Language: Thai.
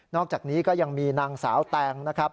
อกจากนี้ก็ยังมีนางสาวแตงนะครับ